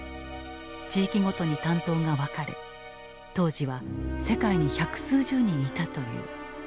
地域ごとに担当が分かれ当時は世界に百数十人いたという。